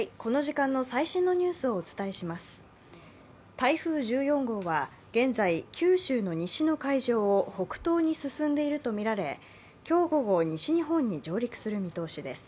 台風１４号は現在、九州の西の海上を北東に進んでいるとみられ今日午後、西日本に上陸する見通しです。